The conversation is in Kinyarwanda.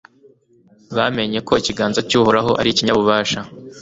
bamenye ko ikiganza cy'uhoraho ari ikinyabubasha